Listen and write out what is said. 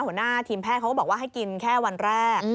หัวหน้าทีมแพทย์เขาก็บอกว่าให้กินแค่วันแรก